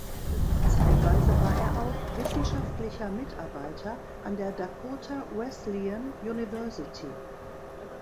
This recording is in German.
Zeitweise war er auch wissenschaftlicher Mitarbeiter an der Dakota Wesleyan University.